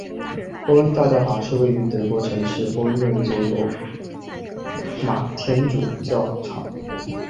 波恩大教堂是位于德国城市波恩的一座罗马天主教教堂。